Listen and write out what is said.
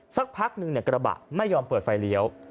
สักพักหนึ่งกระบะไม่ยอมเปิดไฟเลี้ยว